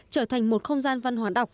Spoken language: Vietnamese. trở thành một không gian văn hóa đọc